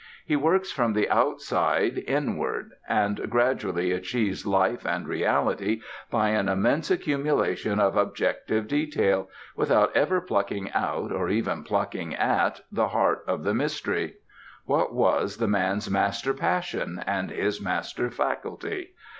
He works from the outside, inward, and gradually achieves life and reality by an immense accumulation of objective detail, without ever plucking out, or even plucking at, the heart of the mystery. What was the man's "master passion" and his master faculty?